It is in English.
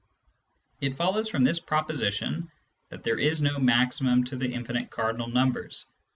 It follows from this proposition that there is no maximum to the infinite cardinal numbers.